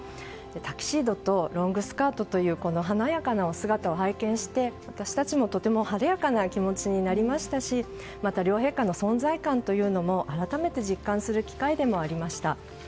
タキシードとロングスカートという華やかなお姿を拝見して私たちもとても晴れやかな気持ちになりましたしまた両陛下の存在感というのも改めて実感する機会でもありました。